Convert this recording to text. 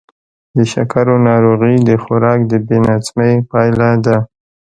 د شکرو ناروغي د خوراک د بې نظمۍ پایله ده.